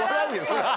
そりゃ。